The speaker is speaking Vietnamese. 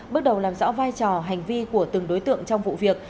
bước đầu làm rõ vai trò hành vi của từng đối tượng trong vụ việc